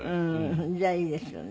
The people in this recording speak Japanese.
じゃあいいですよね。